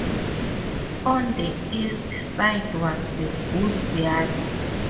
On the east side was the goods yard.